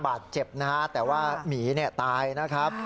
บาดเจ็บนะฮะแต่ว่าหมีเนี่ยตายนะครับ